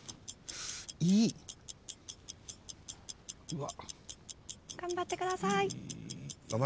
うわ。頑張ってください。